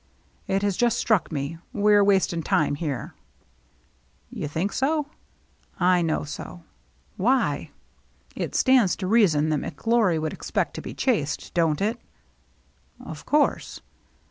" It has just struck me — we are wasting time here." "You think so ?••" I know so." "Why?" "It stands to reason that McGlory would expect to be chased, don't it?" " Of course."